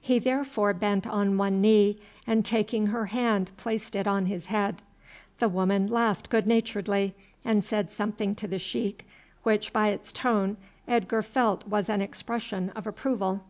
He therefore bent on one knee, and taking her hand placed it on his head. The woman laughed good naturedly, and said something to the sheik which by its tone Edgar felt was an expression of approval.